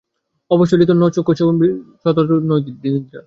অপসরতি ন চক্ষুষো মৃগাক্ষী রজনিরিয়ং চ ন যাতি নৈতি নিদ্রা।